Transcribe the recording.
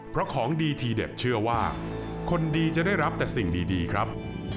เพราะของดีทีเด็ดเชื่อว่าคนดีจะได้รับแต่สิ่งดีครับ